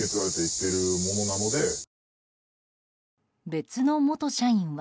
別の元社員は。